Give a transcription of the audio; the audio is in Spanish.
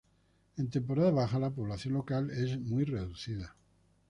En temporada baja la población local es muy reducida.